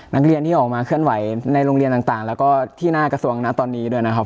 นักเรียนที่ออกมาเคลื่อนไหวในโรงเรียนต่างแล้วก็ที่หน้ากระทรวงนะตอนนี้ด้วยนะครับ